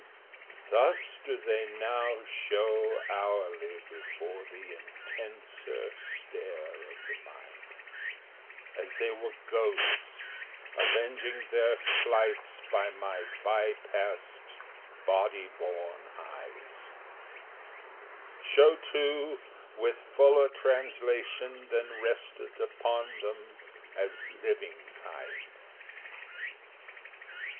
Thus do they now show hourly before the intenser Stare of the mind As they were ghosts avenging their slights by my bypast Body borne eyes, Show, too, with fuller translation than rested upon them As living kind.